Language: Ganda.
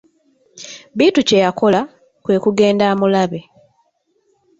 Bittu kye yakola, kwe kugenda amulabe.